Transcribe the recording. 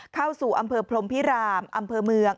เข้าสู่อำเภอพรมพิรามอำเภอเมือง